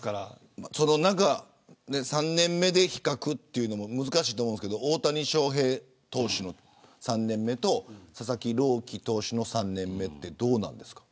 ３年目で比較というのも難しいと思いますが大谷翔平投手の３年目と佐々木朗希投手の３年目どうですか。